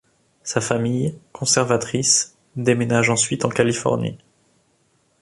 Sa famille, conservatrice, déménage ensuite en Californie.